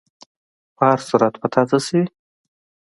په هر صورت، په تا څه شوي؟